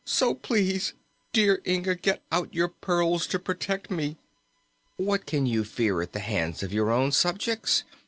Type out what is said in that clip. So, please, dear Inga, get out your pearls to protect me!" "What can you fear at the hands of your own subjects?"